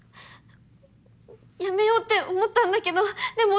やめようって思ったんだけどでも